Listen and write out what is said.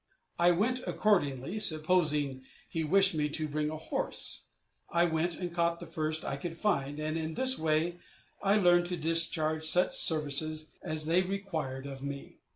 I went accordingly, supposing he wished me to bring a horse: I went and caught the first I could find, and in this way I learned to discharge such services as they required of me.